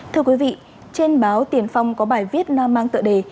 thưa quý vị trên báo tiền phong có bài viết mang tựa đề